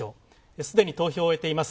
すでに投票を終えています。